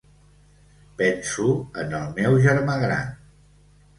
Penso en el meu germà gran.